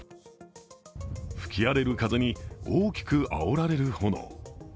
吹き荒れる風に大きくあおられる炎。